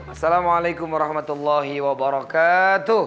assalamualaikum warahmatullahi wabarakatuh